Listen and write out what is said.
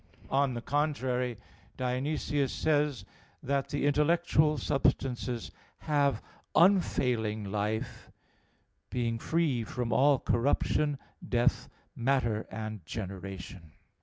On the contrary, Dionysius says (Div. Nom. iv) that the intellectual substances "have unfailing life, being free from all corruption, death, matter, and generation."